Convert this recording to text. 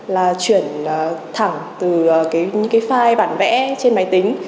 là chuyển thẳng từ những cái file bản vẽ trên máy tính